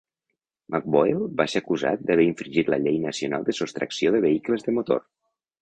McBoyle va ser acusat d'haver infringit la Llei nacional de sostracció de vehicles de motor.